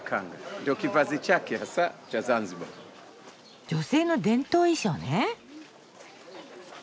女性の伝統衣装ね。